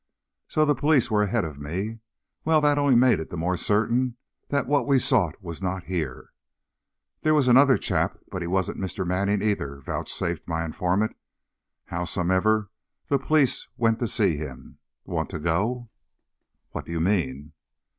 So the police were ahead of me! Well, that only made it the more certain that what we sought was not here. "There was another chap, but he wasn't Mr. Manning either," vouchsafed my informant. "Howsomever, the police went to see him. Wanta go?" "What do you mean?"